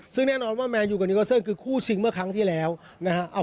ซึ่งแน่นอนว่าแมนยูกับนิโกเซินคือคู่ชิงเมื่อครั้งที่แล้วนะฮะ